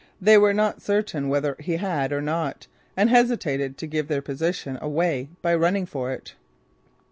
They were not certain whether he had or not and hesitated to give their position away by running for it.